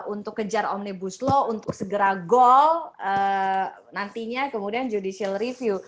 untuk kejar omnibus law untuk segera goal nantinya kemudian judicial review